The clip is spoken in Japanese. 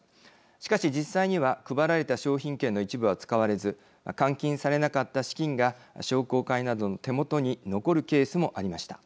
しかし、実際には配られた商品券の一部は使われず換金されなかった資金が商工会などの手元に残るケースもありました。